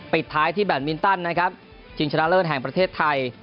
ปิดท้ายที่แบตมินตันนะครับชิงชนะเลิศแห่งประเทศไทย